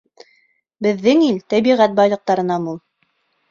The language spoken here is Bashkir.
Беҙҙең ил тәбиғәт байлыҡтарына мул.